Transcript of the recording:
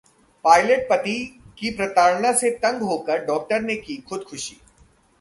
pilot पति की प्रताड़ना से तंग होकर डॉक्टर ने की खुदकुशी